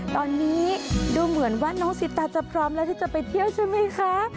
ตอนนี้ดูเหมือนว่าน้องสิตาจะพร้อมแล้วที่จะไปเที่ยวใช่ไหมคะ